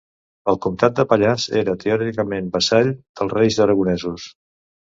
El comtat de Pallars era teòricament vassall dels reis aragonesos.